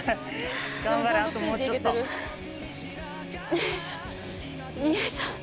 よいしょよいしょ。